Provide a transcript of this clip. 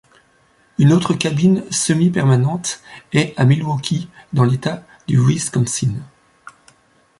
Une autre cabine semi-permanente est à Milwaukee dans l'État du Wisconsin.